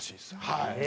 はい。